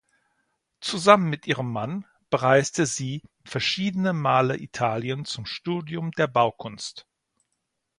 Zusammen mit ihrem Mann bereiste sie verschiedene Male Italien zum Studium der Baukunst.